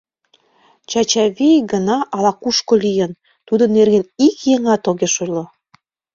Чачавий гына ала-кушко лийын, тудын нерген ик еҥат огеш ойло.